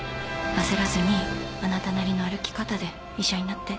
焦らずにあなたなりの歩き方で医者になって。